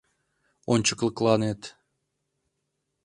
Ончыклыкланет...